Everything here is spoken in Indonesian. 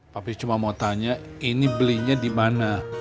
tapi cuma mau tanya ini belinya dimana